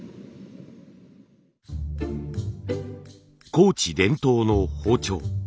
高知伝統の包丁。